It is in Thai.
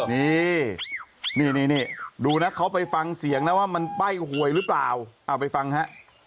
นี่นี่ดูนะเขาไปฟังเสียงนะว่ามันใบ้หวยหรือเปล่าเอาไปฟังฮะ